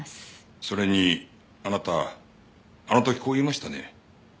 それにあなたあの時こう言いましたね。